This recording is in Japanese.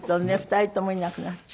２人ともいなくなって。